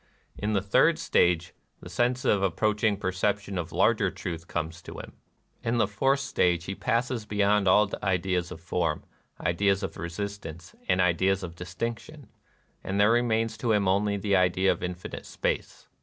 In the third stage the sense of the approaching perception of larger truth comes to him. In the fourth stage he passes beyond all ideas of form, ideas of resistance, and ideas of distinction ; and there remains to him only the idea of infinite space.